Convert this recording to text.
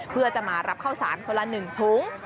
เพื่อจะมารับข้าวสารคนละ๑ถุง